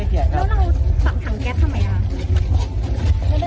แล้วน้องสั่งถังแก๊บทำไมล่ะ